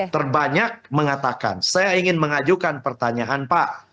terbanyak mengatakan saya ingin mengajukan pertanyaan pak